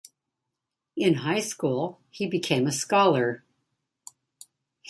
In high school he became a scholar.